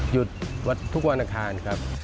หยุดทุกวันอังคารครับ